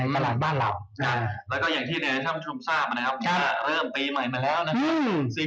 ปีหน้าผ่ันไปได้เลย